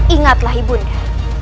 ingatlah ibu nda